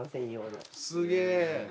すげぇ。